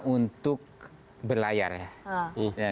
untuk berlayar ya